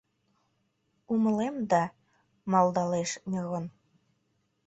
— Умылем да... — малдалеш Мирон.